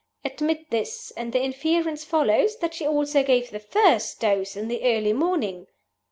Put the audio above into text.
Admit this; and the inference follows that she also gave the first dose in the early morning.